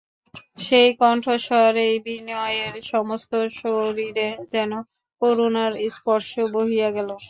সেই কণ্ঠস্বরেই বিনয়ের সমস্ত শরীরে যেন করুণার স্পর্শ বহিয়া গেল।